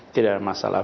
tidak ada masalah